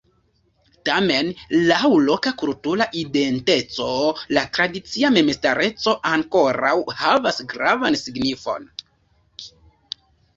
Tamen laŭ loka kultura identeco la tradicia memstareco ankoraŭ havas gravan signifon.